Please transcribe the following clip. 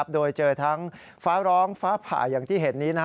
โดยเจอทั้งฟ้าร้องฟ้าผ่าอย่างที่เห็นนี้